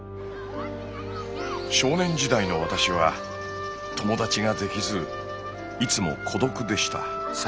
少年時代の私は友達ができずいつも孤独でした。